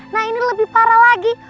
nah ini lebih parah lagi